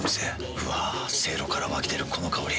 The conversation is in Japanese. うわせいろから湧き出るこの香り。